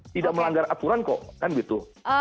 tidak melanggar aturan kok kan gitu